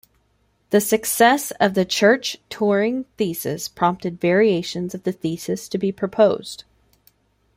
The success of the Church-Turing thesis prompted variations of the thesis to be proposed.